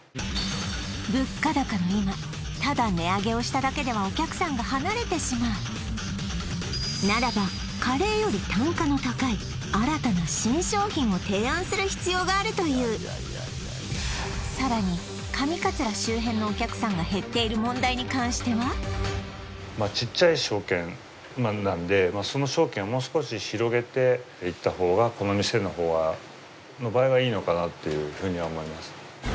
物価高の今ただ値上げをしただけではお客さんが離れてしまうならばカレーより単価の高い新たな新商品を提案する必要があるというさらに上桂周辺のお客さんが減っている問題に関してはちっちゃい商圏なんでその商圏をもう少し広げていった方がこの店の場合はいいのかなっていうふうには思いますね